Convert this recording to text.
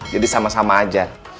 jadi sama sama aja